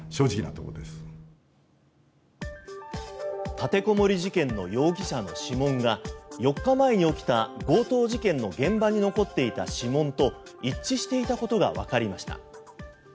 立てこもり事件の容疑者の指紋が４日前に起きた強盗事件の現場に残っていた指紋と一致していたことがわかりました。